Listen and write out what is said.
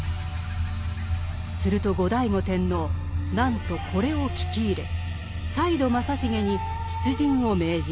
すると後醍醐天皇なんとこれを聞き入れ再度正成に出陣を命じます。